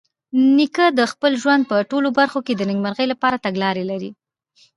نیکه د خپل ژوند په ټولو برخو کې د نیکمرغۍ لپاره تګلاره لري.